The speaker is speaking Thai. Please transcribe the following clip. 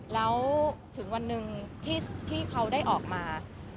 แล้วถึงวันหนึ่งที่เขาได้ออกมา